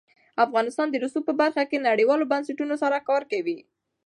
افغانستان د رسوب په برخه کې نړیوالو بنسټونو سره کار کوي.